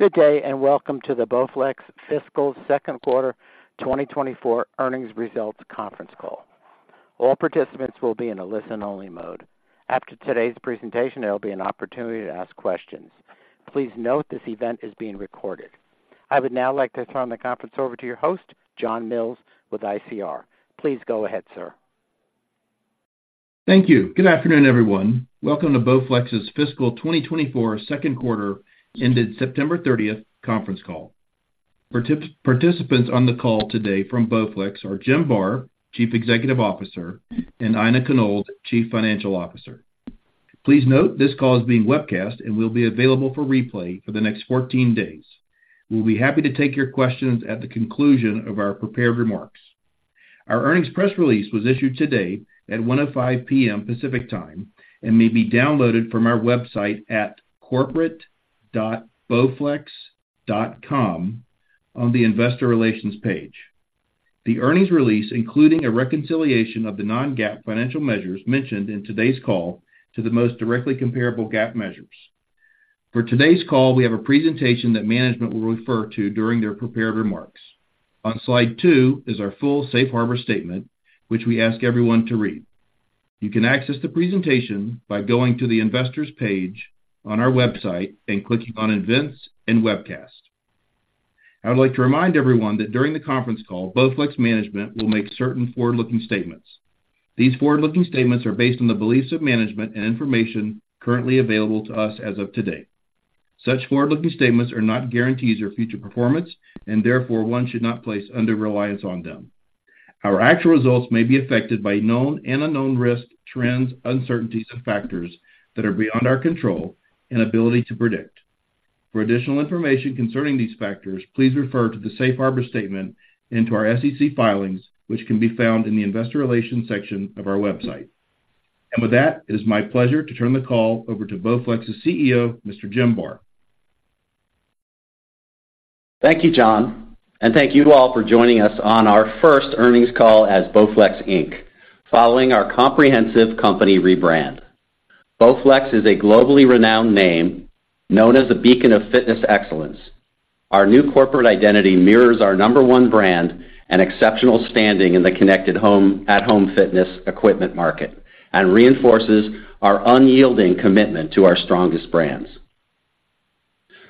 Good day, and welcome to the BowFlex Fiscal Second Quarter 2024 Earnings Results Conference Call. All participants will be in a listen-only mode. After today's presentation, there will be an opportunity to ask questions. Please note this event is being recorded. I would now like to turn the conference over to your host, John Mills, with ICR. Please go ahead, sir. Thank you. Good afternoon, everyone. Welcome to BowFlex's Fiscal 2024 second quarter, ended September 30, conference call. Participants on the call today from BowFlex are Jim Barr, Chief Executive Officer, and Aina Konold, Chief Financial Officer. Please note, this call is being webcast and will be available for replay for the next 14 days. We'll be happy to take your questions at the conclusion of our prepared remarks. Our earnings press release was issued today at 1:05 P.M. Pacific Time, and may be downloaded from our website at corporate.bowflex.com on the Investor Relations page. The earnings release, including a reconciliation of the non-GAAP financial measures mentioned in today's call, to the most directly comparable GAAP measures. For today's call, we have a presentation that management will refer to during their prepared remarks. On slide two is our full safe harbor statement, which we ask everyone to read. You can access the presentation by going to the Investors page on our website and clicking on Events and Webcast. I would like to remind everyone that during the conference call, BowFlex management will make certain forward-looking statements. These forward-looking statements are based on the beliefs of management and information currently available to us as of today. Such forward-looking statements are not guarantees of future performance, and therefore, one should not place undue reliance on them. Our actual results may be affected by known and unknown risks, trends, uncertainties, and factors that are beyond our control and ability to predict. For additional information concerning these factors, please refer to the safe harbor statement and to our SEC filings, which can be found in the Investor Relations section of our website. With that, it is my pleasure to turn the call over to BowFlex's CEO, Mr. Jim Barr. Thank you, John, and thank you to all for joining us on our first earnings call as BowFlex Inc., following our comprehensive company rebrand. BowFlex is a globally renowned name, known as a beacon of fitness excellence. Our new corporate identity mirrors our number one brand and exceptional standing in the connected home-at-home fitness equipment market, and reinforces our unyielding commitment to our strongest brands.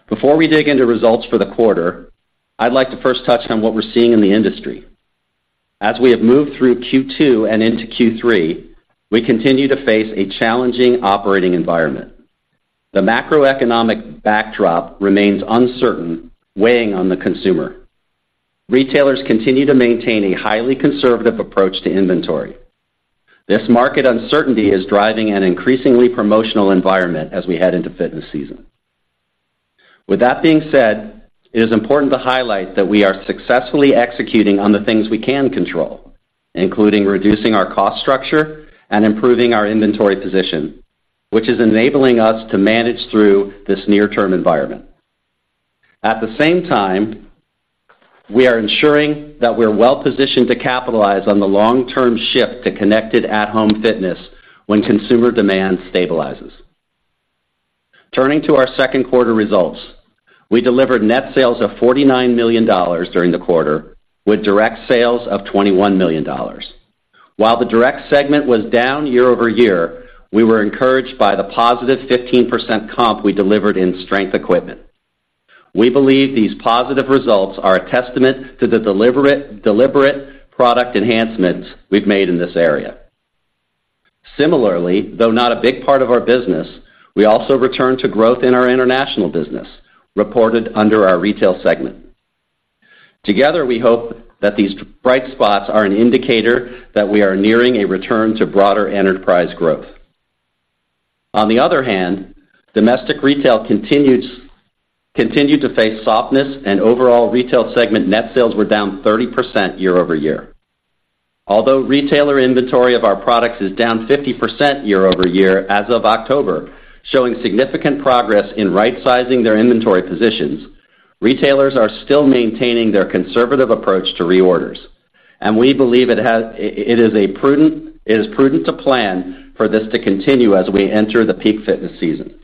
Before we dig into results for the quarter, I'd like to first touch on what we're seeing in the industry. As we have moved through Q2 and into Q3, we continue to face a challenging operating environment. The macroeconomic backdrop remains uncertain, weighing on the consumer. Retailers continue to maintain a highly conservative approach to inventory. This market uncertainty is driving an increasingly promotional environment as we head into fitness season. With that being said, it is important to highlight that we are successfully executing on the things we can control, including reducing our cost structure and improving our inventory position, which is enabling us to manage through this near-term environment. At the same time, we are ensuring that we're well-positioned to capitalize on the long-term shift to connected at-home fitness when consumer demand stabilizes. Turning to our second quarter results, we delivered net sales of $49 million during the quarter, with direct sales of $21 million. While the direct segment was down year-over-year, we were encouraged by the positive 15 comp we delivered in strength equipment. We believe these positive results are a testament to the deliberate, deliberate product enhancements we've made in this area. Similarly, though not a big part of our business, we also returned to growth in our international business, reported under our retail segment. Together, we hope that these bright spots are an indicator that we are nearing a return to broader enterprise growth. On the other hand, domestic retail continued to face softness and overall retail segment net sales were down 30% year-over-year. Although retailer inventory of our products is down 50% year-over-year as of October, showing significant progress in right-sizing their inventory positions, retailers are still maintaining their conservative approach to reorders, and we believe it is prudent to plan for this to continue as we enter the peak fitness season.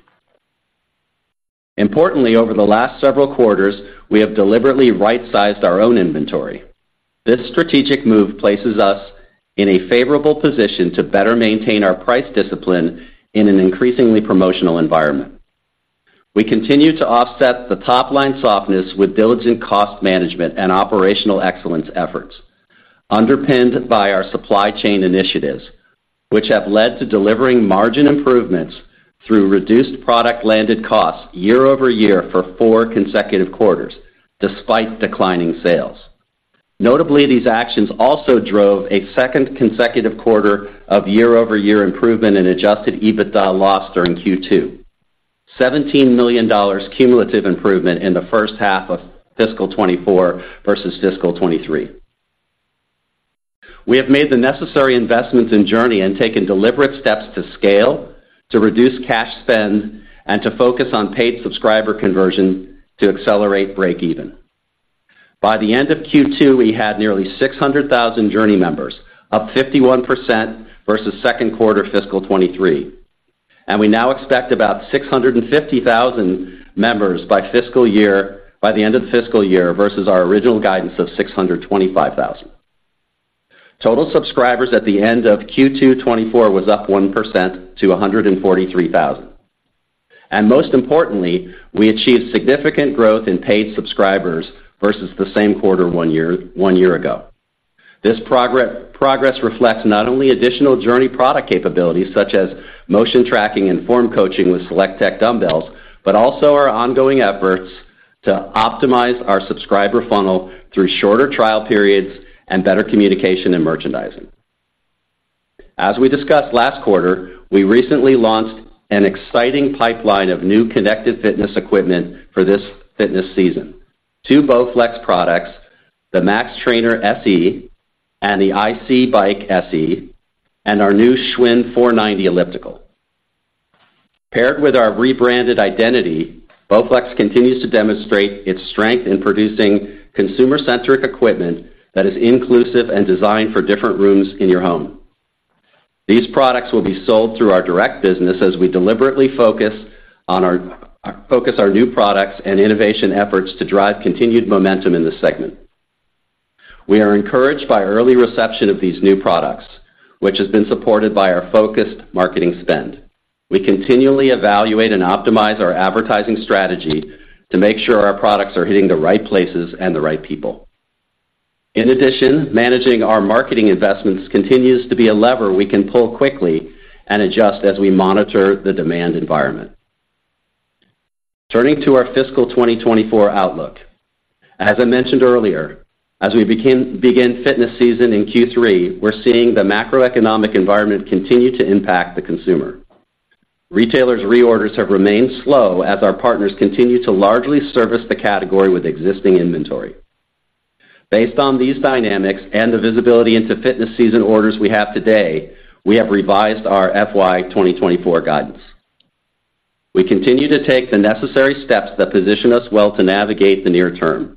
Importantly, over the last several quarters, we have deliberately right-sized our own inventory. This strategic move places us in a favorable position to better maintain our price discipline in an increasingly promotional environment. We continue to offset the topline softness with diligent cost management and operational excellence efforts, underpinned by our supply chain initiatives, which have led to delivering margin improvements through reduced product landed costs year-over-year for four consecutive quarters, despite declining sales. Notably, these actions also drove a second consecutive quarter of year-over-year improvement in adjusted EBITDA loss during Q2, $17 million cumulative improvement in the first half of fiscal 2024 versus fiscal 2023. We have made the necessary investments in JRNY and taken deliberate steps to scale, to reduce cash spend, and to focus on paid subscriber conversion to accelerate break even. By the end of Q2, we had nearly 600,000 JRNY members, up 51% versus second quarter fiscal 2023. We now expect about 650,000 members by the end of the fiscal year, versus our original guidance of 625,000. Total subscribers at the end of Q2 2024 was up 1% to 143,000. And most importantly, we achieved significant growth in paid subscribers versus the same quarter one year, one year ago. This progress reflects not only additional JRNY product capabilities, such as motion tracking and form coaching with SelectTech dumbbells, but also our ongoing efforts to optimize our subscriber funnel through shorter trial periods and better communication and merchandising. As we discussed last quarter, we recently launched an exciting pipeline of new connected fitness equipment for this fitness season. Two BowFlex products, the Max Trainer SE and the IC Bike SE, and our new Schwinn 490 Elliptical. Paired with our rebranded identity, BowFlex continues to demonstrate its strength in producing consumer-centric equipment that is inclusive and designed for different rooms in your home. These products will be sold through our direct business as we deliberately focus on our new products and innovation efforts to drive continued momentum in this segment. We are encouraged by early reception of these new products, which has been supported by our focused marketing spend. We continually evaluate and optimize our advertising strategy to make sure our products are hitting the right places and the right people. In addition, managing our marketing investments continues to be a lever we can pull quickly and adjust as we monitor the demand environment. Turning to our fiscal 2024 outlook. As I mentioned earlier, as we begin fitness season in Q3, we're seeing the macroeconomic environment continue to impact the consumer. Retailers' reorders have remained slow as our partners continue to largely service the category with existing inventory. Based on these dynamics and the visibility into fitness season orders we have today, we have revised our FY 2024 guidance. We continue to take the necessary steps that position us well to navigate the near term.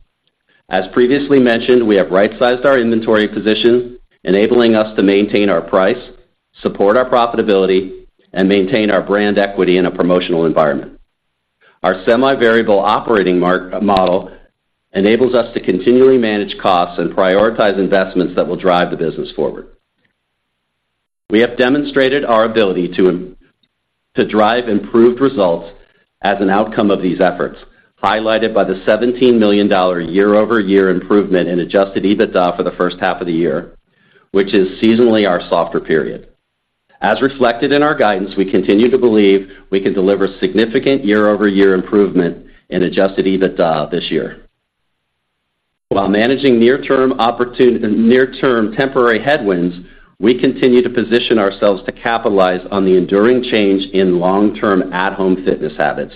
As previously mentioned, we have right-sized our inventory position, enabling us to maintain our price, support our profitability, and maintain our brand equity in a promotional environment. Our semi-variable operating margin model enables us to continually manage costs and prioritize investments that will drive the business forward. We have demonstrated our ability to drive improved results as an outcome of these efforts, highlighted by the $17 million year-over-year improvement in adjusted EBITDA for the first half of the year, which is seasonally our softer period. As reflected in our guidance, we continue to believe we can deliver significant year-over-year improvement in adjusted EBITDA this year. While managing near-term temporary headwinds, we continue to position ourselves to capitalize on the enduring change in long-term at-home fitness habits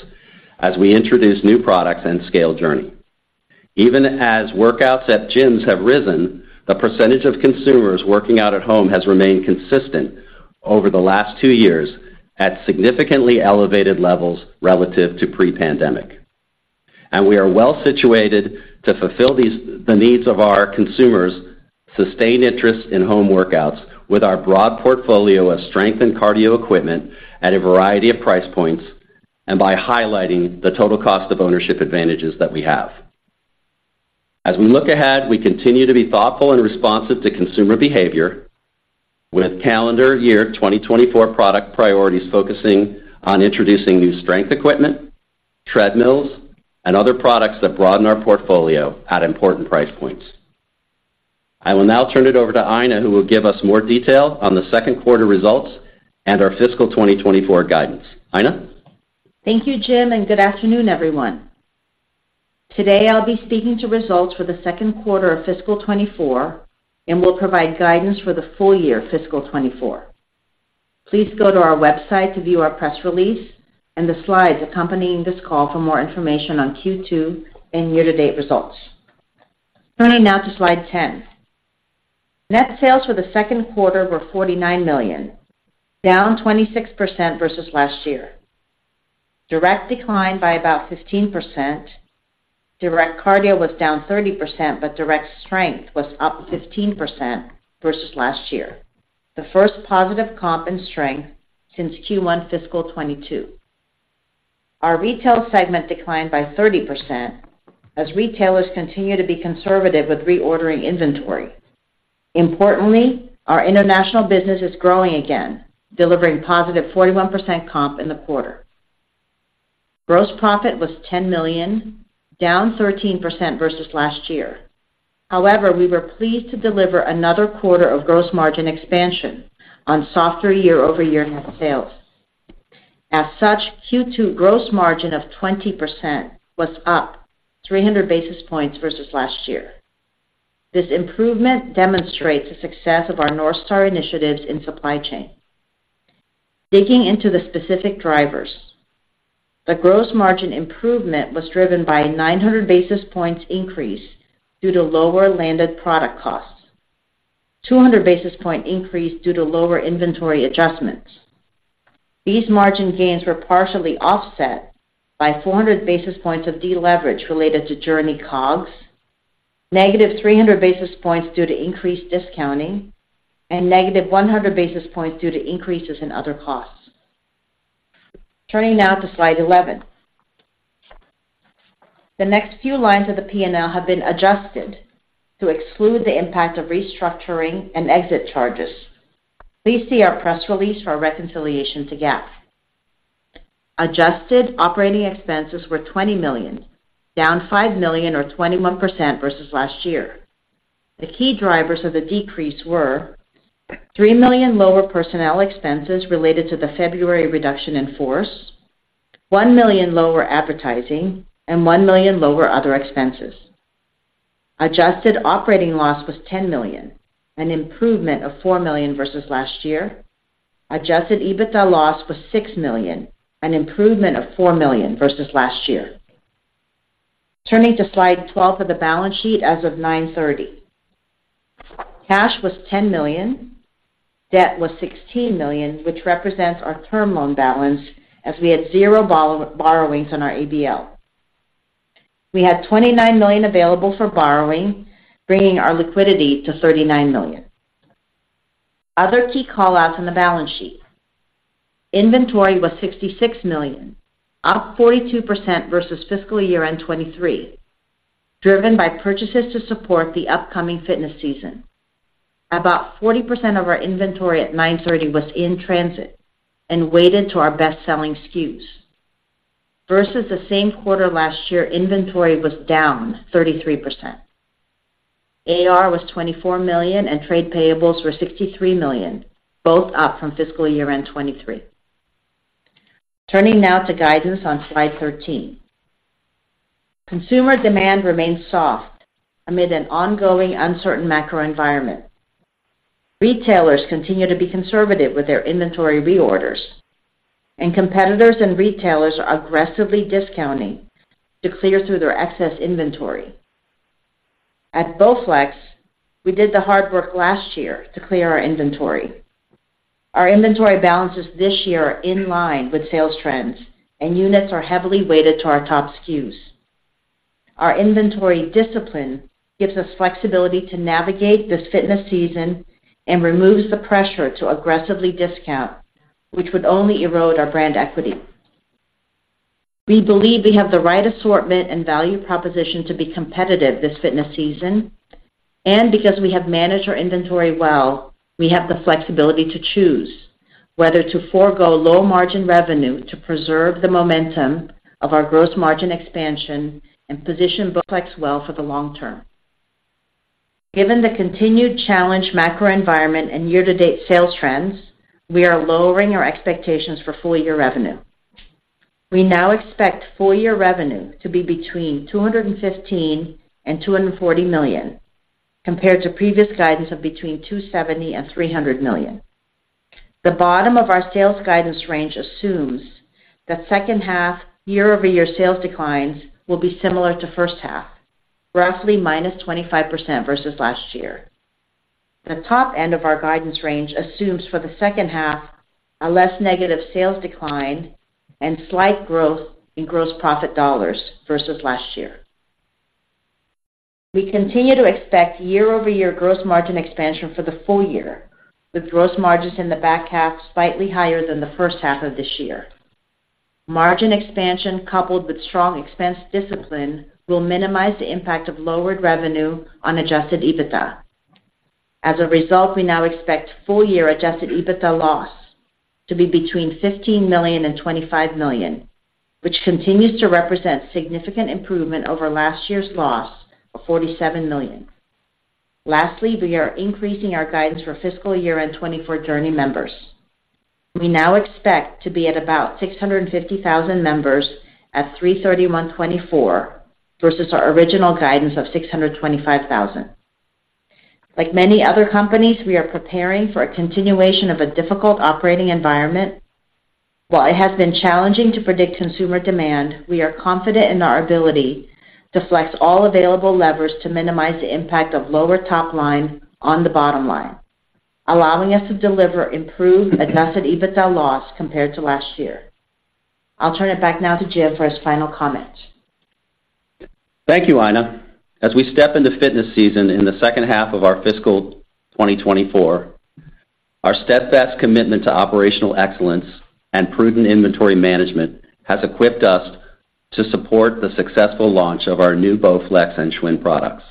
as we introduce new products and scale JRNY. Even as workouts at gyms have risen, the percentage of consumers working out at home has remained consistent over the last two years at significantly elevated levels relative to pre-pandemic. We are well situated to fulfill the needs of our consumers, sustain interest in home workouts with our broad portfolio of strength and cardio equipment at a variety of price points, and by highlighting the total cost of ownership advantages that we have. As we look ahead, we continue to be thoughtful and responsive to consumer behavior, with calendar year 2024 product priorities focusing on introducing new strength equipment, treadmills, and other products that broaden our portfolio at important price points. I will now turn it over to Aina, who will give us more detail on the second quarter results and our fiscal 2024 guidance. Aina? Thank you, Jim, and good afternoon, everyone. Today, I'll be speaking to results for the second quarter of fiscal 2024 and will provide guidance for the full year fiscal 2024. Please go to our website to view our press release and the slides accompanying this call for more information on Q2 and year-to-date results. Turning now to slide 10. Net sales for the second quarter were $49 million, down 26% versus last year. Direct declined by about 15%. Direct cardio was down 30%, but direct strength was up 15% versus last year, the first positive comp in strength since Q1 fiscal 2022. Our retail segment declined by 30%, as retailers continue to be conservative with reordering inventory. Importantly, our international business is growing again, delivering positive 41% comp in the quarter. Gross profit was $10 million, down 13% versus last year. However, we were pleased to deliver another quarter of gross margin expansion on softer year-over-year net sales. As such, Q2 gross margin of 20% was up 300 basis points versus last year. This improvement demonstrates the success of our North Star initiatives in supply chain. Digging into the specific drivers, the gross margin improvement was driven by a 900 basis points increase due to lower landed product costs. 200 basis point increase due to lower inventory adjustments. These margin gains were partially offset by 400 basis points of deleverage related to JRNY COGS, negative 300 basis points due to increased discounting, and negative 100 basis points due to increases in other costs. Turning now to slide 11. The next few lines of the PNL have been adjusted to exclude the impact of restructuring and exit charges. Please see our press release for a reconciliation to GAAP. Adjusted operating expenses were $20 million, down $5 million or 21% versus last year. The key drivers of the decrease were $3 million lower personnel expenses related to the February reduction in force, $1 million lower advertising, and $1 million lower other expenses. Adjusted operating loss was $10 million, an improvement of $4 million versus last year. Adjusted EBITDA loss was $6 million, an improvement of $4 million versus last year. Turning to slide 12 for the balance sheet as of 9/30. Cash was $10 million, debt was $16 million, which represents our term loan balance, as we had 0 borrowings on our ABL. We had $29 million available for borrowing, bringing our liquidity to $39 million. Other key call-outs on the balance sheet. Inventory was $66 million, up 42% versus fiscal year-end 2023, driven by purchases to support the upcoming fitness season. About 40% of our inventory at 9/30 was in transit and weighted to our best-selling SKUs. Versus the same quarter last year, inventory was down 33%. AR was $24 million, and trade payables were $63 million, both up from fiscal year-end 2023. Turning now to guidance on slide 13. Consumer demand remains soft amid an ongoing uncertain macro environment. Retailers continue to be conservative with their inventory reorders, and competitors and retailers are aggressively discounting to clear through their excess inventory. At BowFlex, we did the hard work last year to clear our inventory. Our inventory balances this year are in line with sales trends, and units are heavily weighted to our top SKUs. Our inventory discipline gives us flexibility to navigate this fitness season and removes the pressure to aggressively discount, which would only erode our brand equity. We believe we have the right assortment and value proposition to be competitive this fitness season, and because we have managed our inventory well, we have the flexibility to choose whether to forgo low-margin revenue to preserve the momentum of our gross margin expansion and position BowFlex well for the long term. Given the continued challenging macro environment and year-to-date sales trends, we are lowering our expectations for full-year revenue. We now expect full-year revenue to be between $215 million and $240 million, compared to previous guidance of between $270 million and $300 million. The bottom of our sales guidance range assumes that second half year-over-year sales declines will be similar to first half, roughly -25% versus last year. The top end of our guidance range assumes, for the second half, a less negative sales decline and slight growth in gross profit dollars versus last year. We continue to expect year-over-year gross margin expansion for the full year, with gross margins in the back half slightly higher than the first half of this year. Margin expansion, coupled with strong expense discipline, will minimize the impact of lowered revenue on adjusted EBITDA. As a result, we now expect full-year adjusted EBITDA loss to be between $15 million and $25 million, which continues to represent significant improvement over last year's loss of $47 million. Lastly, we are increasing our guidance for fiscal year-end 2024 JRNY members. We now expect to be at about 650,000 members at 03/31/2024, versus our original guidance of 625,000. Like many other companies, we are preparing for a continuation of a difficult operating environment. While it has been challenging to predict consumer demand, we are confident in our ability to flex all available levers to minimize the impact of lower top line on the bottom line, allowing us to deliver improved adjusted EBITDA loss compared to last year. I'll turn it back now to Jim for his final comments. Thank you, Aina. As we step into fitness season in the second half of our fiscal 2024, our steadfast commitment to operational excellence and prudent inventory management has equipped us to support the successful launch of our new BowFlex and Schwinn products.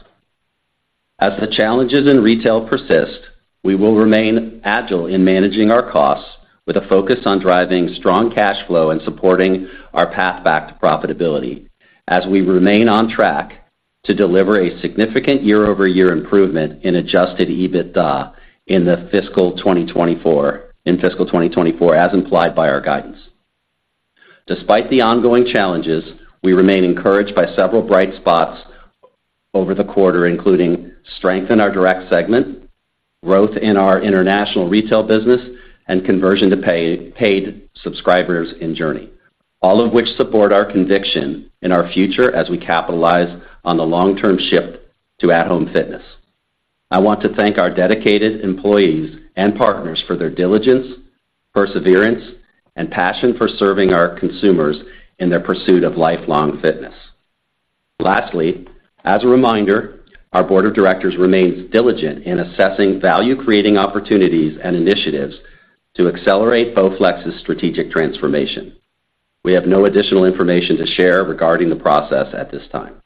As the challenges in retail persist, we will remain agile in managing our costs with a focus on driving strong cash flow and supporting our path back to profitability, as we remain on track to deliver a significant year-over-year improvement in adjusted EBITDA in fiscal 2024, as implied by our guidance. Despite the ongoing challenges, we remain encouraged by several bright spots over the quarter, including strength in our direct segment, growth in our international retail business, and conversion to paid subscribers in JRNY. All of which support our conviction in our future as we capitalize on the long-term shift to at-home fitness. I want to thank our dedicated employees and partners for their diligence, perseverance, and passion for serving our consumers in their pursuit of lifelong fitness. Lastly, as a reminder, our board of directors remains diligent in assessing value-creating opportunities and initiatives to accelerate BowFlex's strategic transformation. We have no additional information to share regarding the process at this time.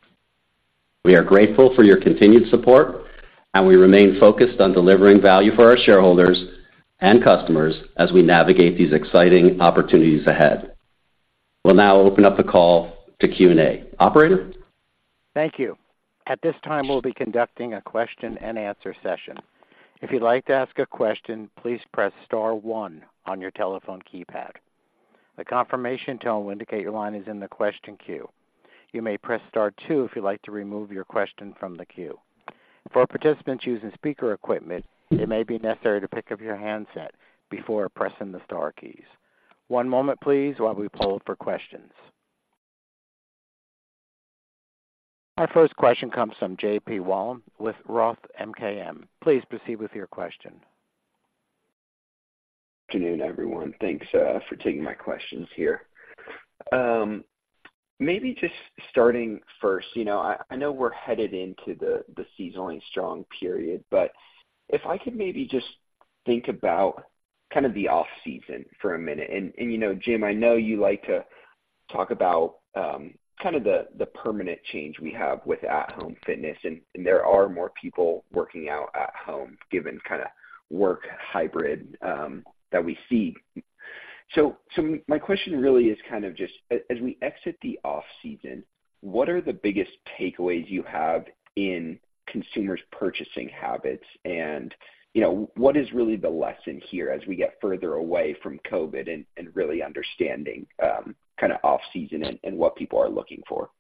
We are grateful for your continued support, and we remain focused on delivering value for our shareholders and customers as we navigate these exciting opportunities ahead. We'll now open up the call to Q&A. Operator? Thank you. At this time, we'll be conducting a Q&A session. If you'd like to ask a question, please press star one on your telephone keypad. The confirmation tone will indicate your line is in the question queue. You may press star two if you'd like to remove your question from the queue. For participants using speaker equipment, it may be necessary to pick up your handset before pressing the star keys. One moment please while we poll for questions. Our first question comes from JP Wollam with Roth MKM. Please proceed with your question. Good afternoon, everyone. Thanks, for taking my questions here. Maybe just starting first, you know, I know we're headed into the seasonally strong period, but if I could maybe just think about kind of the off-season for a minute. You know, Jim, I know you like to talk about kind of the permanent change we have with at-home fitness, and there are more people working out at home, given kind of work hybrid that we see. So my question really is kind of just as we exit the off-season, what are the biggest takeaways you have in consumers' purchasing habits? You know, what is really the lesson here as we get further away from COVID and really understanding kind of off-season and what people are looking for?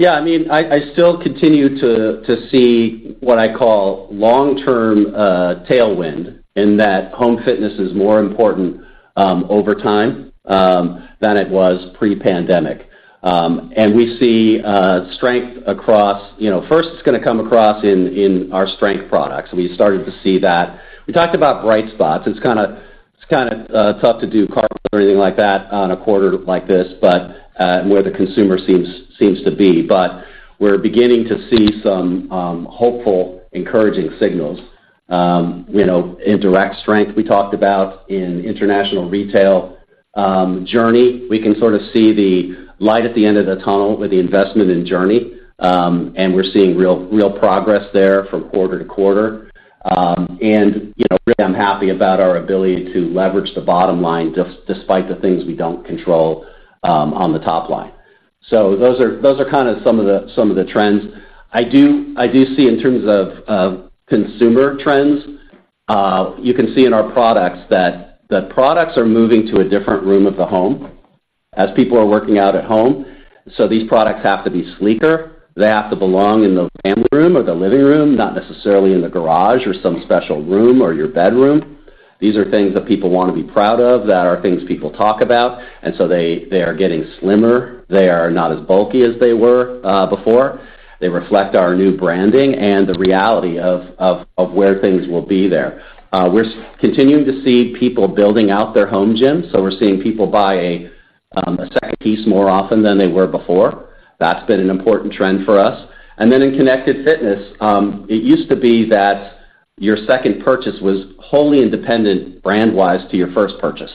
Yeah, I mean, I still continue to see what I call long-term tailwind, in that home fitness is more important over time than it was pre-pandemic. And we see strength across, you know, first, it's gonna come across in our strength products. We started to see that. We talked about bright spots. It's kinda tough to do carpet or anything like that on a quarter like this, but where the consumer seems to be. But we're beginning to see some hopeful, encouraging signals, you know, in direct strength, we talked about in international retail, JRNY. We can sort of see the light at the end of the tunnel with the investment in JRNY, and we're seeing real progress there from quarter to quarter. You know, really, I'm happy about our ability to leverage the bottom line, despite the things we don't control, on the top line. So those are, those are kind of some of the, some of the trends. I do, I do see in terms of, of consumer trends, you can see in our products that the products are moving to a different room of the home as people are working out at home. So these products have to be sleeker. They have to belong in the family room or the living room, not necessarily in the garage or some special room or your bedroom. These are things that people want to be proud of, that are things people talk about, and so they, they are getting slimmer. They are not as bulky as they were, before. They reflect our new branding and the reality of where things will be there. We're continuing to see people building out their home gyms, so we're seeing people buy a second piece more often than they were before. That's been an important trend for us. And then in connected fitness, it used to be that your second purchase was wholly independent, brand-wise, to your first purchase.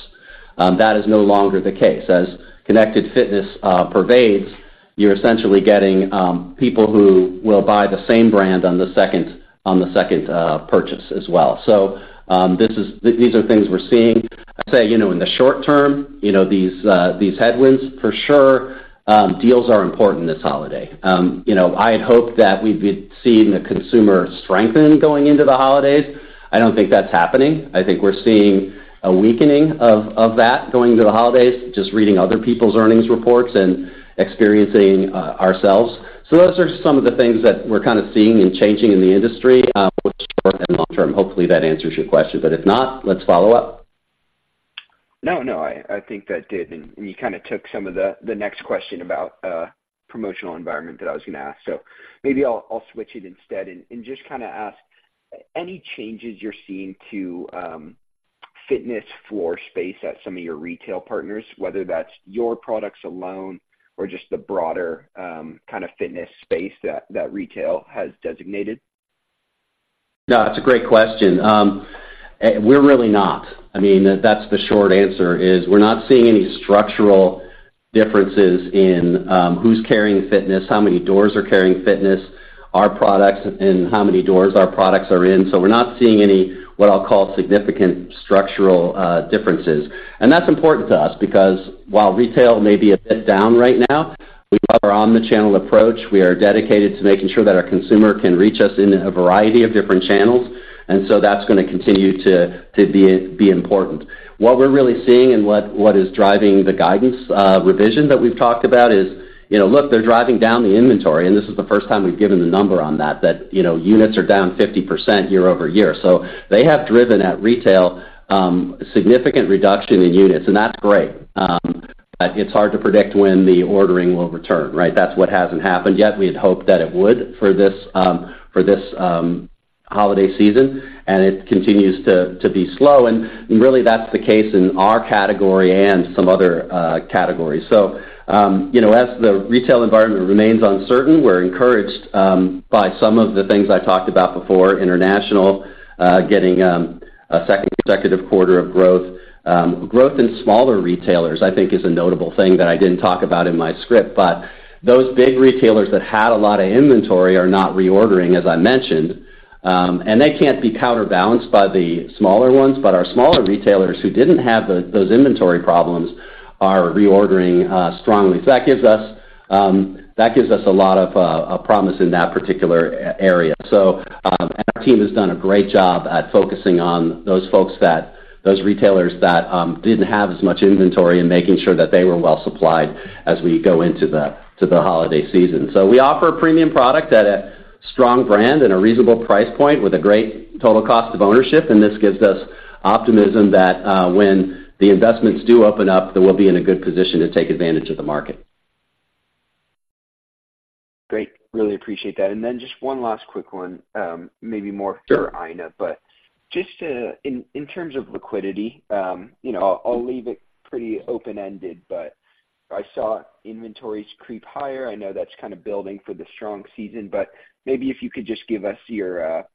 That is no longer the case. As connected fitness pervades, you're essentially getting people who will buy the same brand on the second purchase as well. So, this is. These are things we're seeing. I'd say, you know, in the short term, you know, these headwinds, for sure, deals are important this holiday. You know, I had hoped that we'd be seeing the consumer strengthen going into the holidays. I don't think that's happening. I think we're seeing a weakening of, of that going to the holidays, just reading other people's earnings reports and experiencing ourselves. So those are some of the things that we're kind of seeing and changing in the industry, both short and long term. Hopefully, that answers your question, but if not, let's follow up. No, no, I, I think that did, and you kind of took some of the, the next question about promotional environment that I was going to ask. So maybe I'll, I'll switch it instead and, and just kind of ask any changes you're seeing to fitness floor space at some of your retail partners, whether that's your products alone or just the broader kind of fitness space that, that retail has designated? No, that's a great question. We're really not. I mean, that's the short answer, is we're not seeing any structural differences in, who's carrying fitness, how many doors are carrying fitness, our products, and how many doors our products are in. So we're not seeing any, what I'll call, significant structural differences. And that's important to us because while retail may be a bit down right now, we are on the channel approach. We are dedicated to making sure that our consumer can reach us in a variety of different channels, and so that's gonna continue to be important. What we're really seeing and what is driving the guidance revision that we've talked about is. You know, look, they're driving down the inventory, and this is the first time we've given the number on that, you know, units are down 50% year-over-year. So they have driven at retail significant reduction in units, and that's great. But it's hard to predict when the ordering will return, right? That's what hasn't happened yet. We had hoped that it would for this holiday season, and it continues to be slow, and really, that's the case in our category and some other categories. So, you know, as the retail environment remains uncertain, we're encouraged by some of the things I talked about before, international getting a second consecutive quarter of growth. Growth in smaller retailers, I think, is a notable thing that I didn't talk about in my script, but those big retailers that had a lot of inventory are not reordering, as I mentioned, and they can't be counterbalanced by the smaller ones. But our smaller retailers who didn't have those inventory problems are reordering strongly. So that gives us a lot of promise in that particular area. So, and our team has done a great job at focusing on those retailers that didn't have as much inventory and making sure that they were well supplied as we go into the holiday season. We offer a premium product at a strong brand and a reasonable price point with a great total cost of ownership, and this gives us optimism that when the investments do open up, that we'll be in a good position to take advantage of the market. Great. Really appreciate that. And then just one last quick one, maybe more for Aina. But just to, in terms of liquidity, you know, I'll leave it pretty open-ended, but I saw inventories creep higher. I know that's kind of building for the strong season, but maybe if you could just give us your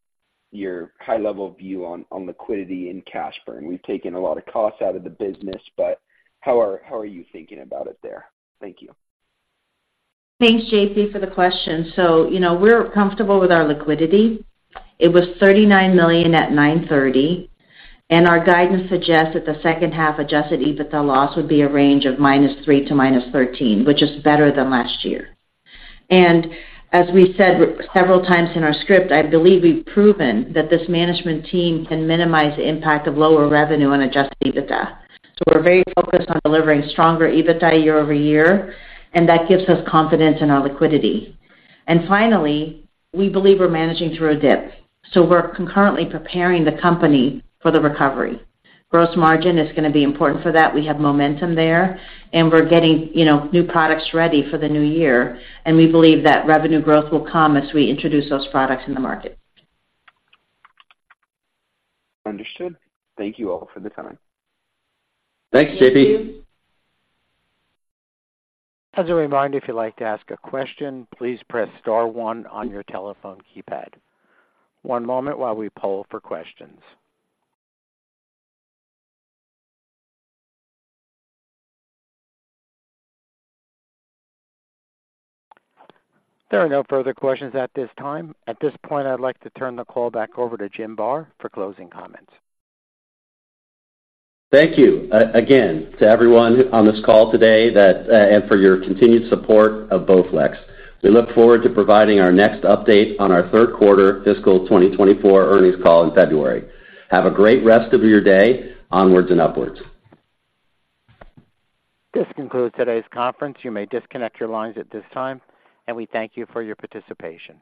high-level view on liquidity and cash burn. We've taken a lot of costs out of the business, but how are you thinking about it there? Thank you. Thanks, JP, for the question. So, you know, we're comfortable with our liquidity. It was $39 million at 9/30, and our guidance suggests that the second half adjusted EBITDA loss would be a range of -$3 million to -$13 million, which is better than last year. And as we said several times in our script, I believe we've proven that this management team can minimize the impact of lower revenue on adjusted EBITDA. So we're very focused on delivering stronger EBITDA year-over-year, and that gives us confidence in our liquidity. And finally, we believe we're managing through a dip, so we're concurrently preparing the company for the recovery. Gross margin is gonna be important for that. We have momentum there, and we're getting, you know, new products ready for the new year, and we believe that revenue growth will come as we introduce those products in the market. Understood. Thank you all for the time. Thanks, JP. Thank you. As a reminder, if you'd like to ask a question, please press star one on your telephone keypad. One moment while we poll for questions. There are no further questions at this time. At this point, I'd like to turn the call back over to Jim Barr for closing comments. Thank you, again, to everyone on this call today, and for your continued support of BowFlex. We look forward to providing our next update on our third quarter fiscal 2024 earnings call in February. Have a great rest of your day. Onwards and upwards. This concludes today's conference. You may disconnect your lines at this time, and we thank you for your participation.